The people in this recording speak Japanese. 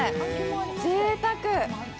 ぜいたく。